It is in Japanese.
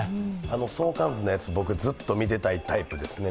相関図のやつ、僕、ずっと見ていたいタイプですね。